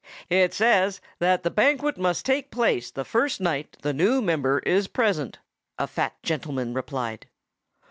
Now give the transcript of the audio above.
"It says that the banquet must take place the first night the new member is present," a fat gentleman replied.